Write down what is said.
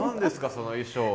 その衣装は。